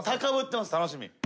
楽しみ？